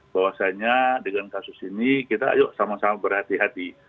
bahwasanya dengan kasus ini kita ayo sama sama berhati hati